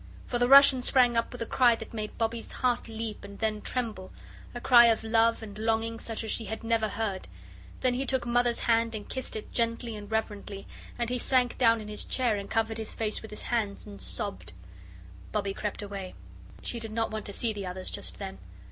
For the Russian sprang up with a cry that made Bobbie's heart leap and then tremble a cry of love and longing such as she had never heard. Then he took Mother's hand and kissed it gently and reverently and then he sank down in his chair and covered his face with his hands and sobbed. Bobbie crept away. She did not want to see the others just then.